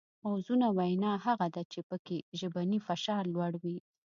موزونه وینا هغه ده چې پکې ژبنی فشار لوړ وي